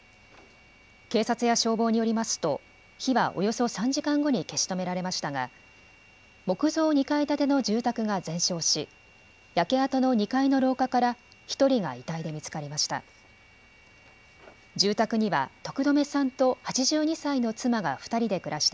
警察や消防によりますと火はおよそ３時間後に消し止められましたが、木造２階建ての住宅が全焼し焼け跡の２階の廊下から１人が遺体で見つかりました。